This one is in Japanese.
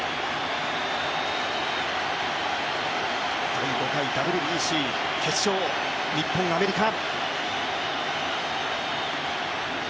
第５回ＷＢＣ決勝、日本×アメリカ。